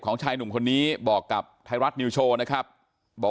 ของชายหนุ่มคนนี้บอกกับธัยรัฐนิวโชนะครับ